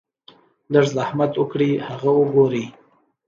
لږ زحمت اوکړئ هغه اوګورئ -